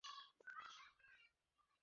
আজ তো গাঙুর দর্শন করিয়ে দে, বোন।